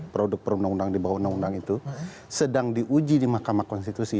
produk perundang undang di bawah undang undang itu sedang diuji di mahkamah konstitusi